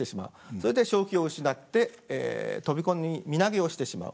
それで正気を失って飛び込み身投げをしてしまう。